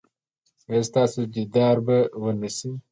ایا ستاسو دیدار به و نه شي؟